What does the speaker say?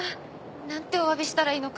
何てお詫びしたらいいのか。